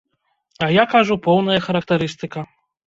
А я кажу, поўная характарыстыка.